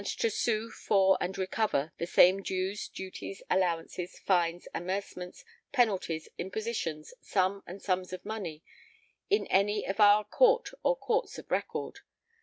to sue for and recover the same dues duties allowances fines amercements penalties impositions sum and sums of money in any of our Court or Courts of Record....